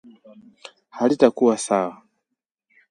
halitakuwa sawa